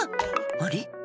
あれ？